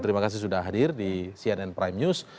terima kasih sudah hadir di cnn prime news